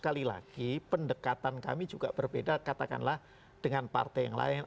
sekali lagi pendekatan kami juga berbeda katakanlah dengan partai yang lain